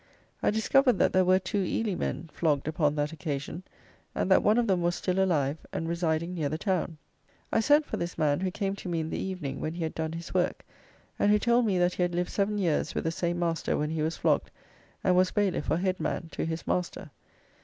I discovered that there were two Ely men flogged upon that occasion, and that one of them was still alive and residing near the town. I sent for this man, who came to me in the evening when he had done his work, and who told me that he had lived seven years with the same master when he was flogged, and was bailiff or head man to his master.